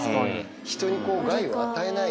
人に害を与えない。